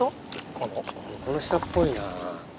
この下っぽいな。